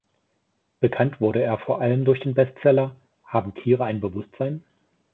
Bekannt wurde er vor allem durch den Bestseller "Haben Tiere ein Bewusstsein?